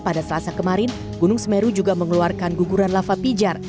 pada selasa kemarin gunung semeru juga mengeluarkan guguran lava pijar